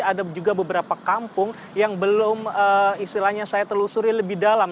ada juga beberapa kampung yang belum istilahnya saya telusuri lebih dalam